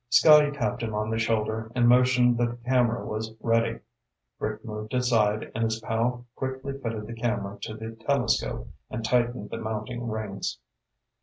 Scotty tapped him on the shoulder and motioned that the camera was ready. Rick moved aside and his pal quickly fitted the camera to the telescope and tightened the mounting rings.